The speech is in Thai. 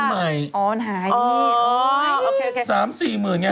อ๋อหายสามสี่หมื่นไง